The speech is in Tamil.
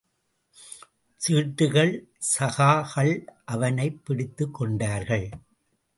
சீட்டுச் சகாகள் அவனைப் பிடித்துக் கொண்டார்கள்.